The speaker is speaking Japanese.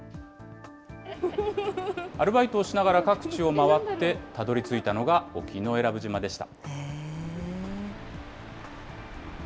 アルバイトをしながら各地を回って、たどりついたのが沖永良部島でした。